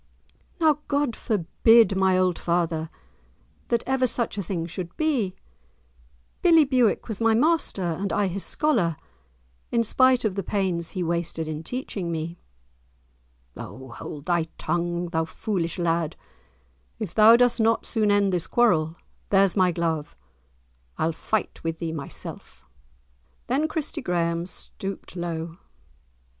"Now God forbid, my old father, that ever such a thing should be! Billie Bewick was my master, and I his scholar, in spite of the pains he wasted in teaching me." "O hold thy tongue, thou foolish lad! If thou dost not soon end this quarrel, there's my glove, I'll fight with thee myself." Then Christie Graeme stooped low.